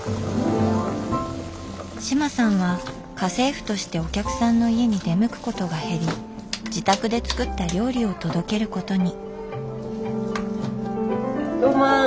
志麻さんは家政婦としてお客さんの家に出向くことが減り自宅で作った料理を届けることに。